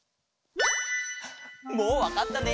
もうわかったね。